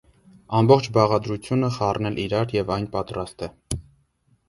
Ամբողջ բաղադրությունը խառնել իրար և այն պատրաստ է։